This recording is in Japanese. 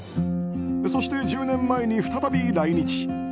そして１０年前に再び来日。